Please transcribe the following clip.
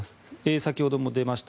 先ほども出ました